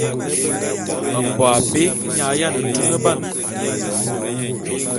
Mbo abé nye a yiane tuneban.